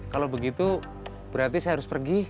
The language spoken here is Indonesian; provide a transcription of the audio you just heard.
kalau begitu berarti saya harus pergi